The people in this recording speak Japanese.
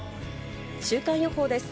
週間予報です。